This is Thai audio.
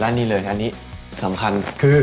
และนี่เลยสำคัญ